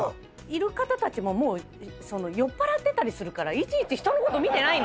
いる方たちももう酔っぱらってたりするからいちいち人のこと見てない。